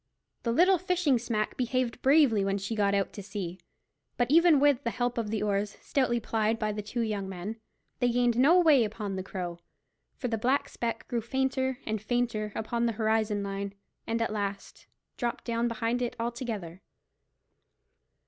The little fishing smack behaved bravely when she got out to sea; but even with the help of the oars, stoutly plied by the two young men, they gained no way upon the Crow, for the black speck grew fainter and fainter upon the horizon line, and at last dropped down behind it altogether.